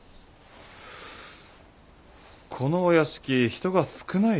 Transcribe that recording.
このお屋敷人が少ないですね。